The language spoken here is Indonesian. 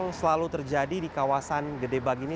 banjir yang selalu terjadi di kawasan gedebage ini